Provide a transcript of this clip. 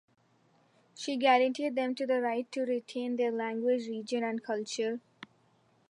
She guaranteed them the right to retain their language, religion and culture.